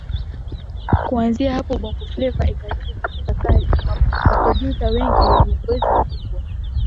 Kuanzia hapo Bongo Fleva ikazidi kushika kasi maprodyuza wengi wenye uwezo mkubwa